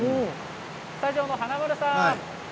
スタジオの華丸さん